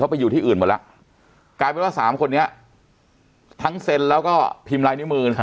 ไปอยู่ที่อื่นหมดแล้วกลายเป็นว่า๓คนนี้ทั้งเซ็นแล้วก็พิมพ์ลายนิ้วมือ